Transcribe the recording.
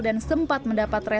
dan sempat mendapat resiko